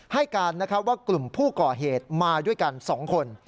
ให้การว่ากลุ่มผู้ก่อเหตุมาด้วยกัน๒คน